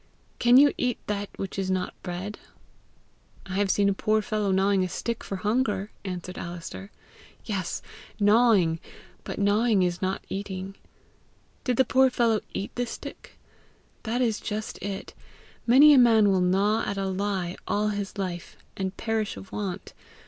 Can you eat that which is not bread?" "I have seen a poor fellow gnawing a stick for hunger!" answered Alister. "Yes, gnawing! but gnawing is not eating. Did the poor fellow eat the stick? That is just it! Many a man will gnaw at a lie all his life, and perish of want.